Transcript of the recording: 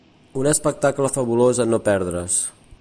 Un espectacle fabulós a no perdre's.